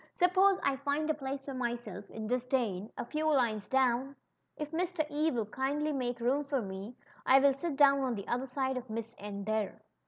Suppose I find a place for myself in disdane^ a few lines down ? If Mr. E will kindly make room for me I will sit down on the other side of Miss N, there."